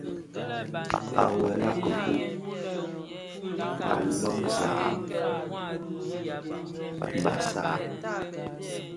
À wela kifog, à lômzàg bàsàg.